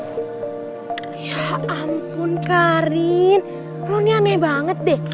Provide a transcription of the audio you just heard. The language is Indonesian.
ya ampun kak rin lo nih aneh banget deh